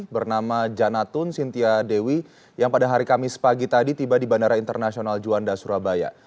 bernama janatun sintia dewi yang pada hari kamis pagi tadi tiba di bandara internasional juanda surabaya